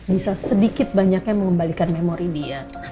bisa sedikit banyaknya mengembalikan memori dia